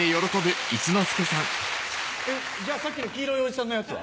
じゃあさっきの黄色いおじさんのやつは？